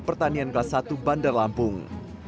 pertanian kelas satu bandar lampung